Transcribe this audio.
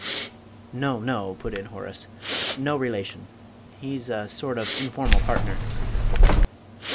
"No, no," put in Horace; "no relation. He's a sort of informal partner."